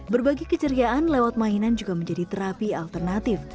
berbagi keceriaan lewat mainan juga menjadi terapi alternatif